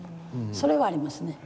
それはありますね。